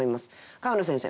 川野先生